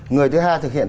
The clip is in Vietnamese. người thứ hai thực hiện